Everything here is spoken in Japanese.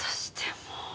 もう。